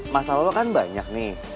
masalah lo kan banyak nih